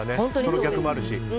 その逆もあるし。